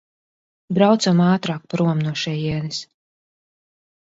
Braucam ātrāk prom no šejienes!